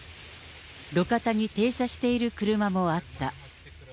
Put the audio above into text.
路肩に停車している車もあった。